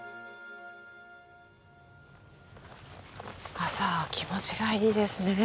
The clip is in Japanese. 朝は気持ちがいいですねえ。